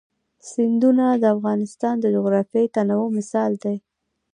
سیندونه د افغانستان د جغرافیوي تنوع مثال دی.